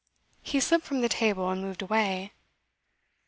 He slipped from the table, and moved away.